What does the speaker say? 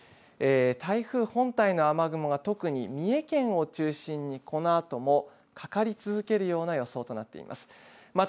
台風本体の雨雲は特に三重県を中心に、このあともかかり続けるような予想となっています。